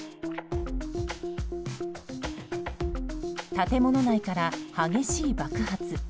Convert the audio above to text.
建物内から激しい爆発。